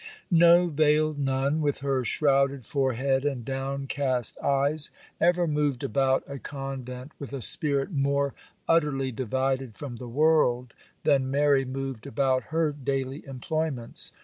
No veiled nun, with her shrouded forehead and downcast eyes, ever moved about a convent with a spirit more utterly divided from the world, than Mary moved about her daily employments.